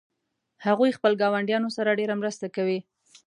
هغوی خپل ګاونډیانو سره ډیره مرسته کوي